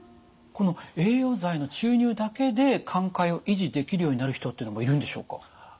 この栄養剤の注入だけで寛解を維持できるようになる人っていうのもいるんでしょうか？